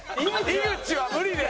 井口は無理です。